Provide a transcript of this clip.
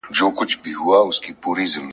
• و گټه، پيل وڅټه.